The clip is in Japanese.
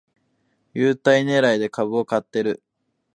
優待ねらいで株を買ってる